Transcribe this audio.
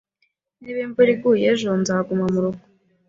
Niba imvura iguye ejo, nzaguma murugo